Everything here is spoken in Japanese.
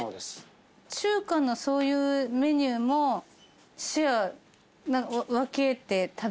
中華のそういうメニューもシェア分けて食べるみたいな。